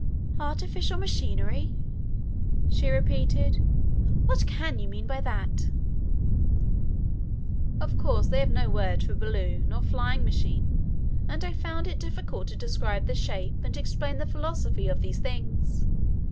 "Artificial machinery?" she repeated. "What can you mean by that?" Of course they have no word for balloon or flying machine, and I found it difficult to describe the shape and explain the philosophy of these things.